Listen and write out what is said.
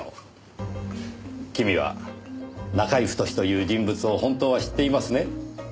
君はナカイ・フトシという人物を本当は知っていますね？